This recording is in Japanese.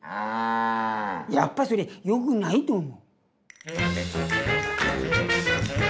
やっぱそれよくないと思う。